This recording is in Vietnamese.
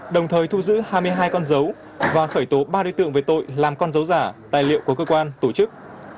đồng thời thu giữ hai mươi hai con dấu và khởi tố ba đối tượng về tội làm con dấu giả tài liệu của cơ quan tổ chức